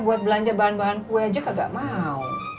buat belanja bahan bahan kue aja kagak mau